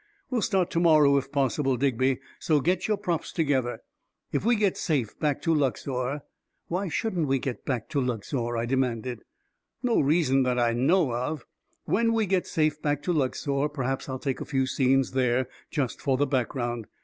We'll start to morrow, if possible, Digby, so get your props together. If we get safe back to Luxor ..." II Why shouldn't we get bade to Luxor ?" I de manded. " No reason that I know of. When we get safe back to Luxor, perhaps I'll take a few scenes there, just for the background.